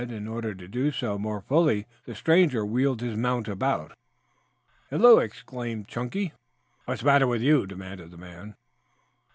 In order to do so more fully, the stranger wheeled his mount about. "Hello!" exclaimed Chunky. "What's the matter with you?" demanded the man.